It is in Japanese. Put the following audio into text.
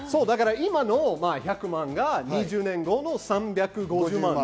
今の１００万が２０年後、３５０万。